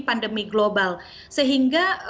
pandemi global sehingga